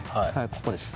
ここです。